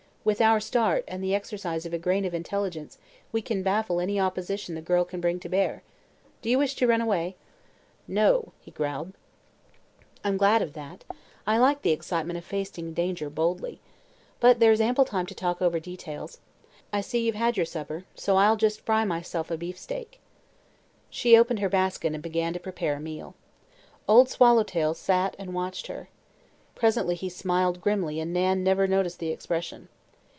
With our start, and the exercise of a grain of intelligence, we can baffle any opposition the girl can bring to bear. Do you wish to run away?" "No," he growled. "I'm glad of that. I like the excitement of facing danger boldly. But there's ample time to talk over details. I see you've had your supper, so I'll just fry myself a beefsteak." She opened her basket and began to prepare a meal. Old Swallowtail sat and watched her. Presently he smiled grimly and Nan never noticed the expression.